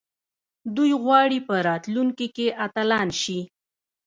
دوی غواړي په راتلونکي کې اتلان شي.